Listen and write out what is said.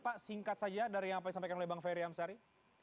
pak singkat saja dari yang tadi sampaikan oleh bang ferry amsari